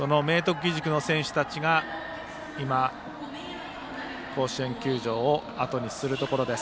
義塾の選手たちが今、甲子園球場をあとにするところです。